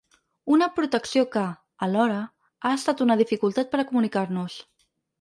Una protecció que, alhora, ha estat una dificultat per a comunicar-nos.